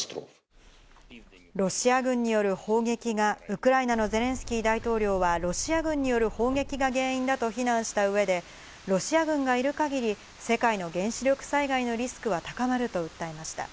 ウクライナのゼレンスキー大統領はロシア軍による砲撃が原因だと非難した上で、ロシア軍がいる限り、世界の原子力災害のリスクは高まると訴えました。